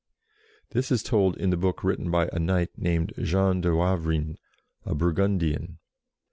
This is told in the book written by a knight named Jean de Wav rin, a Burgundian.